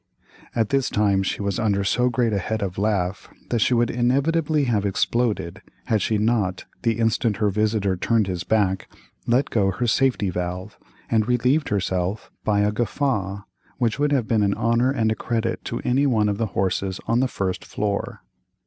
At this time she was under so great a head of laugh that she would inevitably have exploded, had she not, the instant her visitor turned his back, let go her safety valve, and relieved herself by a guffaw which would have been an honor and a credit to any one of the horses on the first floor.